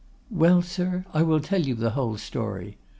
"'Well, sir, I will tell you the whole story.